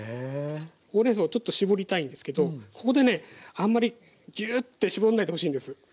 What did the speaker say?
ほうれんそうをちょっと絞りたいんですけどここでねあんまりギューッて絞んないでほしいんです。